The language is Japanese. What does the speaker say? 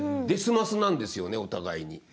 「ですます」なんですよねお互いに。